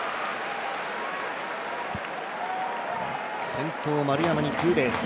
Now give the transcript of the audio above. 先頭、丸山にツーベース。